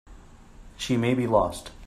She may be lost.